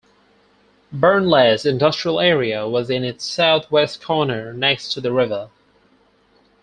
Burnley's industrial area was in its south-west corner next to the river.